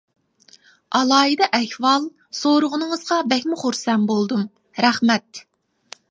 ئالاھىدە ئەھۋال سورىغىنىڭىزغا بەكمۇ خۇرسەن بولدۇم، رەھمەت.